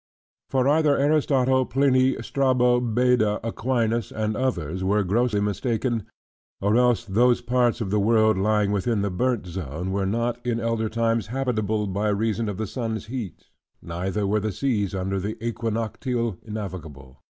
For either Aristotle, Pliny, Strabo, Beda, Aquinas, and others, were grossly mistaken; or else those parts of the world lying within the burnt zone, were not in elder times habitable, by reason of the sun's heat, neither were the seas, under the equinoctial, navigable.